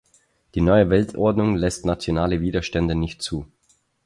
Die neue Weltordnung lässt nationale Widerstände nicht zu.